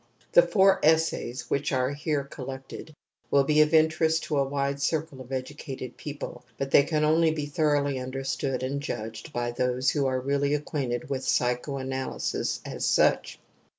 The four essays which are here collected will be of interest to a wide circle of educated people, but they can only be • thoroughly understood and judged by those i who are really acquainted with psychoanalysis | as such.